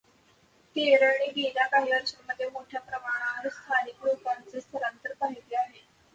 केरळने गेल्या काही वर्षांमध्ये मोठ्या प्रमाणावर स्थानिक लोकांचे स्थलांतर पाहिले आहे.